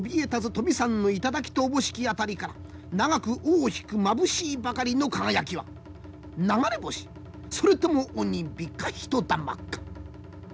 富山の頂とおぼしき辺りから長く尾を引くまぶしいばかりの輝きは流れ星それとも鬼火か人魂か。